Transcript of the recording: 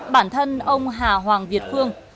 bản thân ông hà hoàng việt phương